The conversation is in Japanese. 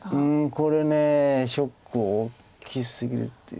これショック大きすぎるというか。